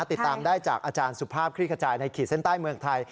ติดตามได้จากอาจารย์สุภาพคลี่ขจายในขีดเส้นใต้เมืองไทย